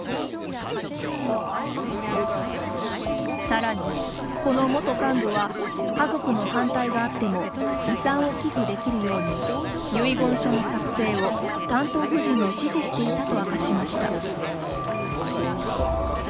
さらにこの元幹部は家族の反対があっても遺産を寄付できるように遺言書の作成を担当婦人に指示していたと明かしました。